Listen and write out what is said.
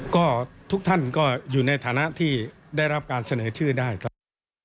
ก็ทุกท่านก็อยู่ในฐานะที่ได้รับการเสนอชื่อได้ครับ